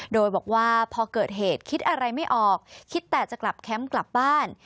โดยบอกว่าพอเกิดเหตุคิดอะไรไม่ออกคิดแต่จะกลับแคมป์กลับบ้าน